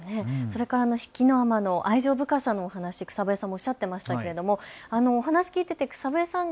それから比企尼の愛情深さのお話草笛さんもおっしゃっていましたけど、お話聞いていましたけど草笛さん